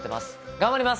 頑張ります。